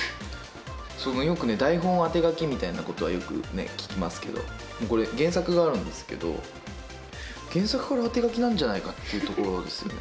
その、よくね、台本当て書きみたいなことは、よく聞きますけど、これ、原作があるんですけど、原作から当て書きなんじゃないかっていうところですよね。